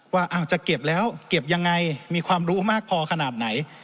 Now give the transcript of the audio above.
ว่าจะเก็บแล้วเก็บยังไงมีความรู้มากพอขนาดไหน